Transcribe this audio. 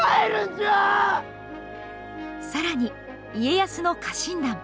さらに、家康の家臣団。